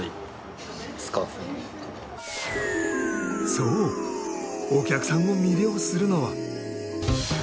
そうお客さんを魅了するのは。